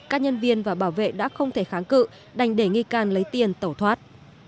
các nhân viên và bảo vệ đã không thể kháng cự đành để nghi can lấy tiền tẩu thoát